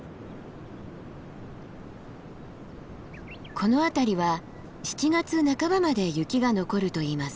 この辺りは７月半ばまで雪が残るといいます。